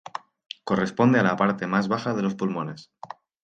Corresponde a la parte más baja de los pulmones.